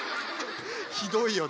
ひどいよね。